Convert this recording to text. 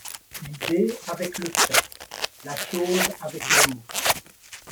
L’idée avec le fait, la chose avec le mot